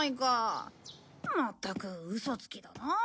まったくウソつきだな。